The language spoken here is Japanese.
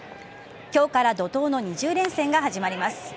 今日から怒濤の２０連戦が始まります。